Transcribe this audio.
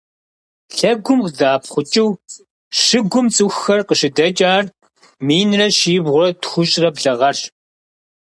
Лъэгум къыдэӏэпхъукӏыу щыгум цӏыхухэр къыщыдэкӏар минрэ щибгъурэ тхущӏрэ блы гъэрщ.